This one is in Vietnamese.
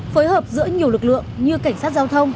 phối hợp giữa nhiều lực lượng như cảnh sát giao thông